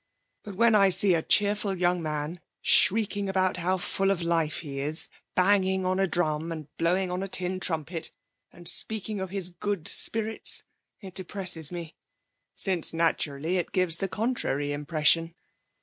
But when I see a cheerful young man shrieking about how full of life he is, banging on a drum, and blowing on a tin trumpet, and speaking of his good spirits, it depresses me, since naturally it gives the contrary impression.